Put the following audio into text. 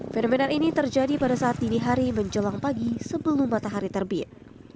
fenomena ini terjadi pada saat dini hari menjelang pagi sebelum matahari terbit